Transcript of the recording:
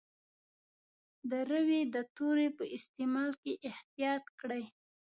د روي د توري په استعمال کې احتیاط کړی.